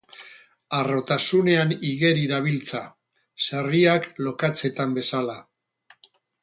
Harrotasunean igeri dabiltza, zerriak lokatzetan bezala.